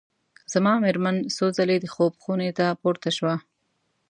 زما مېرمن څو ځلي د خوب خونې ته پورته شوه.